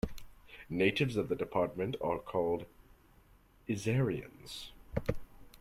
Natives of the department are called "Isariens".